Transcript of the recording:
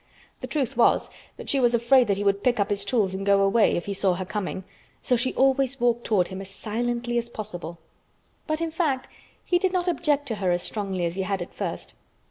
The truth was that she was afraid that he would pick up his tools and go away if he saw her coming, so she always walked toward him as silently as possible. But, in fact, he did not object to her as strongly as he had at first.